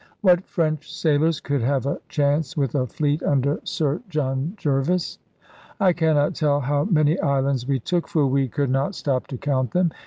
What French sailors could have a chance with a fleet under Sir John Jervis? I cannot tell how many islands we took, for we could not stop to count them.